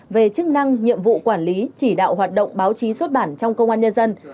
về chức năng nhiệm vụ quản lý chỉ đạo hoạt động báo chí xuất bản trong công an nhân dân